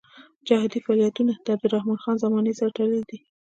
جهادي فعالیتونه د عبدالرحمن خان زمانې سره تړلي دي.